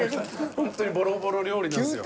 ホントにボロボロ料理なんですよ。